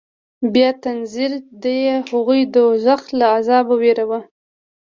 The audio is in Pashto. بيا تنذير ديه هغوى د دوزخ له عذابه ووېروه.